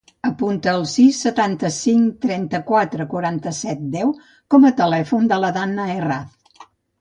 Apunta el sis, setanta-cinc, trenta-quatre, quaranta-set, deu com a telèfon de la Danna Herranz.